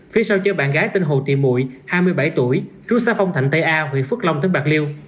phía sau chơi bạn gái tên hồ thị mụy hai mươi bảy tuổi trú xa phong thành tây a huyện phước long tỉnh bạc liêu